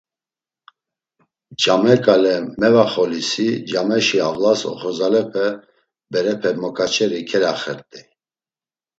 Came ǩale mevaxolisi cameşi avlas oxorzalepe, berepe moǩaçeri kelaxert̆ey.